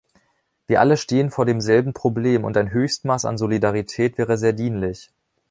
Wir alle stehen vor demselben Problem, und ein Höchstmaß an Solidarität wäre sehr dienlich.